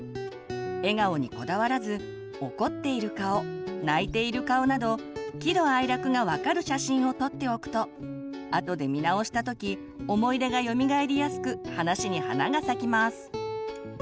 笑顔にこだわらず怒っている顔泣いている顔など喜怒哀楽が分かる写真を撮っておくとあとで見直した時思い出がよみがえりやすく話に花が咲きます。